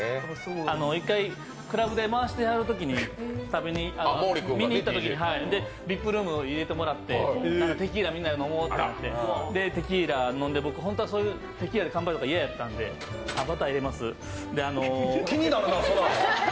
１回、クラブで回してはるときに見に行ったときＶＩＰルーム入れてもらってテキーラみんなで飲もうっていってテキーラ飲んで、僕、本当はそういうテキーラで乾杯とか嫌だったんで気になるな。